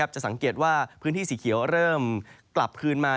จะสังเกตว่าพื้นที่สีเขียวเริ่มกลับคืนมา